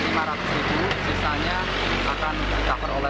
sisanya akan di cover oleh kami